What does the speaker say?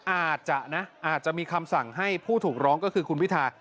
อาจจะมีคำสั่งให้ผู้ถูกร้องก็คือคุณพิธา